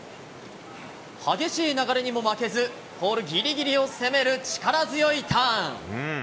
激しい流れにも負けず、ポールぎりぎりを攻める力強いターン。